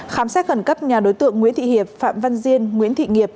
khám xét khẩn cấp nhà đối tượng nguyễn thị hiệp phạm văn diên nguyễn thị nghiệp